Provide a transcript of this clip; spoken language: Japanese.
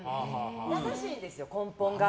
優しいんですよ、根本が。